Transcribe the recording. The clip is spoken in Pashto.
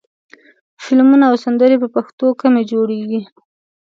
فلمونه او سندرې په پښتو کمې جوړېږي.